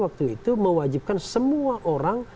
dan kami waktu itu mewajibkan semua orang